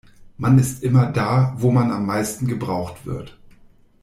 Man ist immer da, wo man am meisten gebraucht wird.